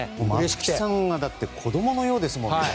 松木さんは子供のようですもんね。